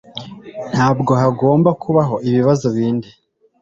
Ntabwo hagomba kubaho ibibazo bindi.